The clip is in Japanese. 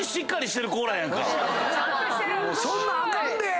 そんなんあかんで！